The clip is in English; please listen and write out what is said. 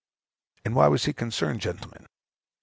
And why was he concerned, gentlemen?